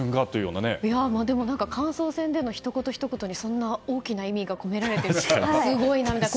感想戦でのひと言ひと言にそんな大きな意味が込められているのがすごいなと。